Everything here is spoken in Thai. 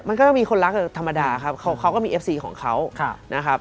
มันก็ต้องมีคนรักธรรมดาครับเขาก็มีเอฟซีของเขานะครับ